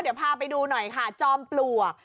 เดี๋ยวพาไปดูหน่อยค่ะจอมปลวก